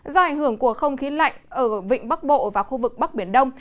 do ảnh hưởng của không khí lạnh ở vịnh bắc bộ và khu vực bắc biển đông